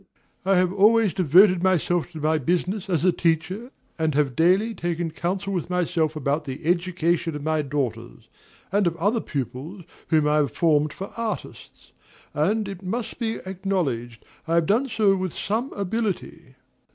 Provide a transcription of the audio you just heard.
I have always devoted myself to my business as a teacher, and have daily taken counsel with myself about the education of my daughters, and of other pupils whom I have formed for artists; and, it must be acknowledged, I have done so with some ability.